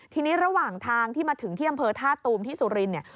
ทีนี้ระหว่างทางที่มาถึงที่อำเภอท่าตูมที่สุรินทร์เนี่ย